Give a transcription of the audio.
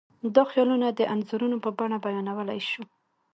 دا خیالونه د انځورونو په بڼه بیانولی شو.